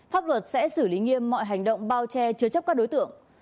pháp luật sẽ xử lý nghiêm mọi hành động bao che chứa chấp các đối tượng